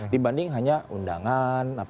dibanding hanya undangan